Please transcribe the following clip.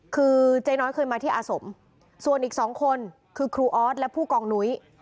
คือเจ๊น้อยเคยมาที่อาสมส่วนอีก๒คนคือครูออสและผู้กองนุ้ย